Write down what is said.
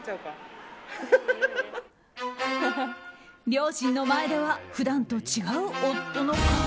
両親の前では普段と違う夫の顔。